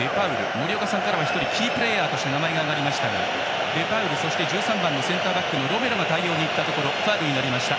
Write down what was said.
森岡さんからもキープレーヤーと名前が挙がりましたがデパウル、そして１３番センターバックのロメロが対応に行ったところファウルになりました。